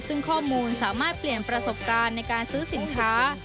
ซึ่งข้อมูลสามารถเปลี่ยนประสบการณ์ในการซื้อสินค้า